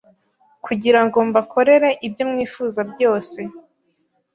kugira ngo mbakorere ibyo mwifuzabyose